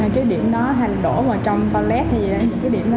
cái điểm đó hay là đổ vào trong toilet hay là những cái điểm đó